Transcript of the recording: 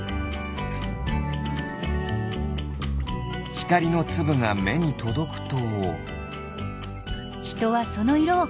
ひかりのつぶがめにとどくと？